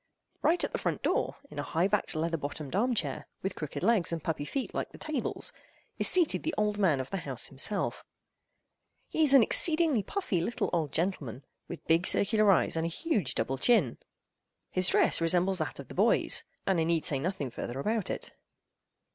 Right at the front door, in a high backed leather bottomed armed chair, with crooked legs and puppy feet like the tables, is seated the old man of the house himself. He is an exceedingly puffy little old gentleman, with big circular eyes and a huge double chin. His dress resembles that of the boys—and I need say nothing farther about it.